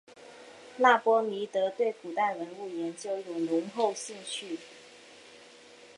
那波尼德对古代文物研究有浓厚兴趣。